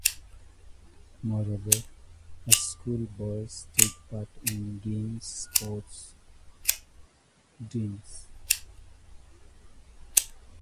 Impatience with fools, quickness rather than thoroughness.